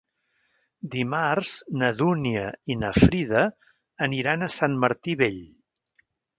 Dimarts na Dúnia i na Frida aniran a Sant Martí Vell.